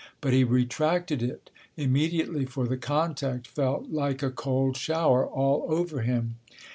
But he retracted it immediately, for the contact felt like a cold shower all over him.